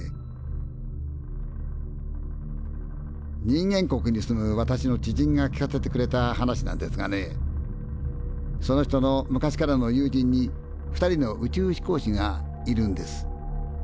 人間国に住む私の知人が聞かせてくれた話なんですがねその人の昔からの友人に２人の宇宙飛行士がいるんです。